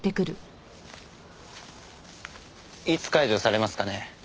いつ解除されますかね？